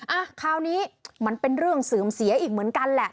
อ่ะคราวนี้มันเป็นเรื่องเสื่อมเสียอีกเหมือนกันแหละ